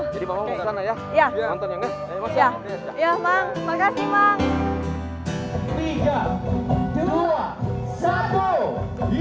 jadi mamang kesana ya